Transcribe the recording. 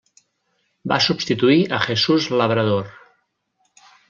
Va substituir a Jesús Labrador.